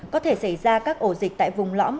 có thể xảy ra các ổ dịch tại vùng lõm